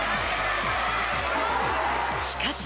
しかし。